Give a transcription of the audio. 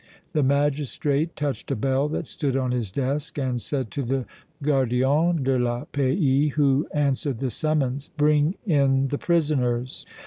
The magistrate touched a bell that stood on his desk and said to the gardien de la paix who answered the summons: "Bring in the prisoners."